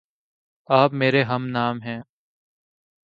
آپ میرے ہم نام ہےـ